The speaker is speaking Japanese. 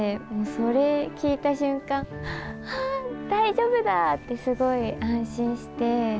それ聞いた瞬間、あー、大丈夫だってすごい安心して。